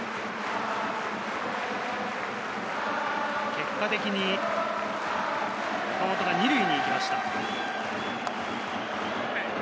結果的に岡本が２塁に行きました。